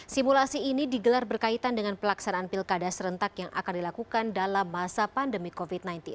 simulasi ini digelar berkaitan dengan pelaksanaan pilkada serentak yang akan dilakukan dalam masa pandemi covid sembilan belas